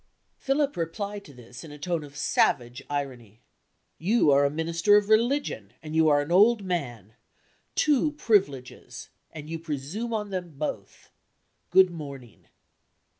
Philip replied to this in a tone of savage irony. "You are a minister of religion, and you are an old man. Two privileges and you presume on them both. Good morning."